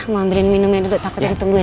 mau ambilin minumnya duduk takut ditungguin